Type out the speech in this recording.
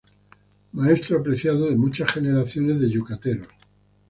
Maestro apreciado de muchas generaciones de yucatecos.